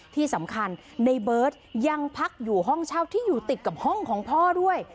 ที่สำคัญในเบิร์ตยังพักอยู่ห้องเช่าที่อยู่ติดกับห้องของพ่อด้วย